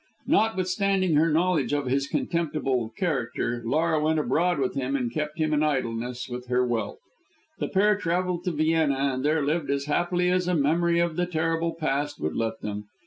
Notwithstanding her knowledge of his contemptible character, Laura went abroad with him and kept him in idleness with her wealth. The pair travelled to Vienna and there lived as happily as a memory of the terrible past would let them.